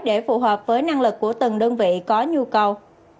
để phù hợp với năng lực của từng đơn vị có nhu cầu